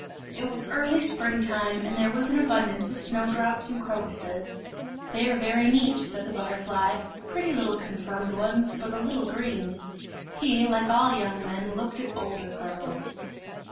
It was early spring time, and there was an abundance of snow drops and crocuses. "They are very neat," said the butterfly, "pretty little confirmed ones, but a little green!" He, like all young men looked at older girls.